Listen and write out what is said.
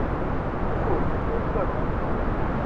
父朱克融。